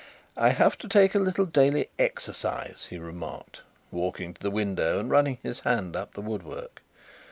"I have to take a little daily exercise," he remarked, walking to the window and running his hand up the woodwork.